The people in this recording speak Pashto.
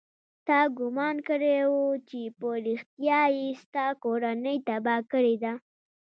تا ګومان کړى و چې په رښتيا يې ستا کورنۍ تباه کړې ده.